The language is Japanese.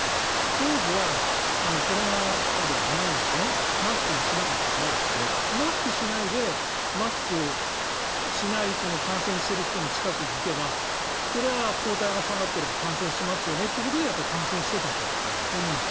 当時はコロナ禍でもないのでマスクもしなかったからマスクをしないでマスクしない感染している人の近くに行けばそりゃ抗体が下がっていれば感染しますよねってことでやっぱり感染していたと思うんです。